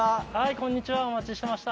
こんにちはお待ちしてました。